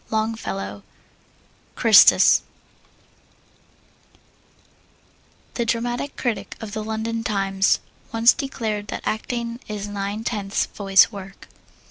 LONGFELLOW, Christus. The dramatic critic of The London Times once declared that acting is nine tenths voice work.